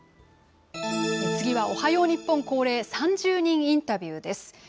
次はおはよう日本恒例、３０人インタビューです。